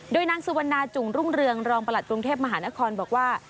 โดยนางสุวรรณาจุ่งรุ่งเรืองรองประหลัดกรุงเทพมหานครบอกว่า